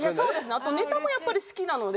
あとネタもやっぱり好きなので。